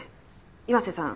岩瀬さん